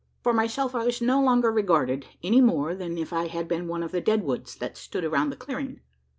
For myself, I was no longer regarded, any more than if I had been one of the dead woods that stood around the clearing.